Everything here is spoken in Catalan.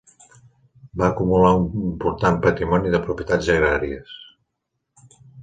Va acumular un important patrimoni de propietats agràries.